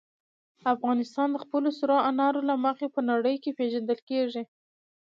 افغانستان د خپلو سرو انارو له مخې په نړۍ کې پېژندل کېږي.